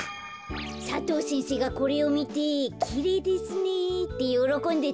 佐藤先生がこれをみて「きれいですね」ってよろこんでたんだ。